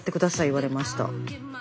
言われました。